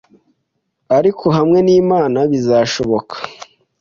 ariko hamwe n’Imana bizashoboka